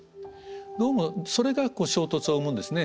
どうもそれが衝突を生むんですね。